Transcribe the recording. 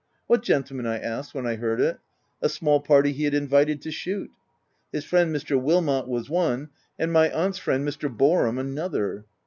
" What gentlemen ?" I asked when I heard it — a small party he had invited to shoot. His friend Mr. Wilmot was one, and my aunt's friend Mr. Boarham another.